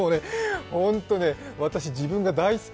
ホント、私自分が大好き！